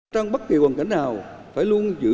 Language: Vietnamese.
trong bất kỳ hoàn cảnh nào phải luôn giữ